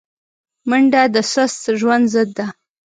منډه د سست ژوند ضد ده